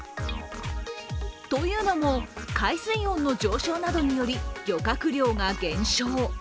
というのも海水温の上昇などにより漁獲量が減少。